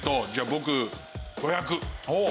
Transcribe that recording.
僕５００。